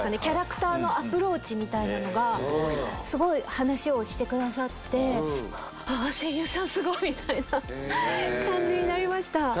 キャラクターのアプローチみたいなのがすごい話をしてくださってああ声優さんすごい！みたいな感じになりました。